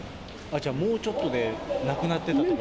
じゃあもうちょっとでなくなってたところ？